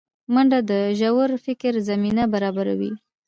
منډه د ژور فکر زمینه برابروي